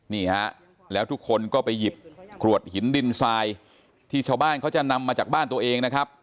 นี่ฮะแล้วทุกคนก็ไปหยิบกรวดหินดินทรายที่ชาวบ้านเขาจะนำมาจากบ้านตัวเองนะครับ